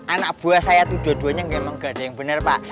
anak buah saya tuh dua duanya emang nggak ada yang bener pak